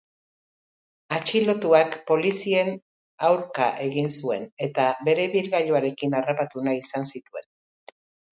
Atxilotuak polizien aurka egin zuen eta bere ibilgailuarekin harrapatu nahi izan zituen.